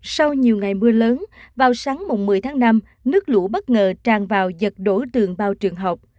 sau nhiều ngày mưa lớn vào sáng một mươi tháng năm nước lũ bất ngờ tràn vào giật đổ tường bao trường học